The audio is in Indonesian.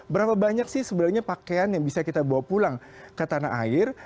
berapa banyak sih sebenarnya pakaian yang bisa kita bawa pulang ke tanah air